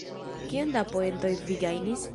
Kiom da poentoj vi gajnis?